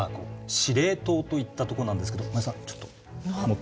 司令塔といったとこなんですけど真矢さんちょっと持って。